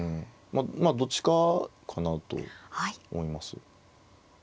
まあどっちかかなと思います。